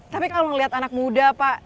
tapi kalau melihat anak muda pak